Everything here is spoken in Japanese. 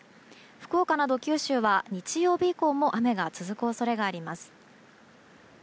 福岡など九州は日曜日以降も雨が続く恐れがあります。